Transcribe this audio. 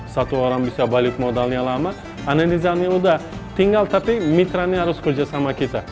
satu orang bisa balik modalnya lama nezani udah tinggal tapi mitranya harus kerja sama kita